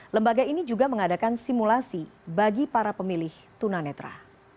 lembaga ini juga mengadakan simulasi bagi para pemilih tunanetra